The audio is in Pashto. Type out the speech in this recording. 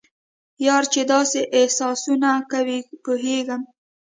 یار چې داسې احسانونه کوي پوهیږم.